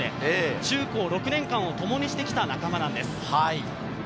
中高６年間を共にしてきた仲間なんです。